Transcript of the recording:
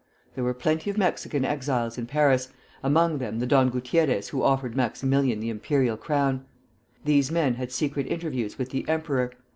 There were plenty of Mexican exiles in Paris, among them the Don Gutierrez who offered Maximilian the imperial crown. These men had secret interviews with the emperor.